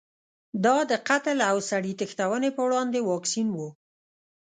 دا د قتل او سړي تښتونې په وړاندې واکسین و.